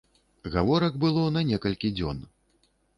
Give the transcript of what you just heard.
Гаворак было на некалькі дзён.